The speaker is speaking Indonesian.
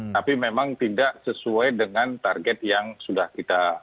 tapi memang tidak sesuai dengan target yang sudah kita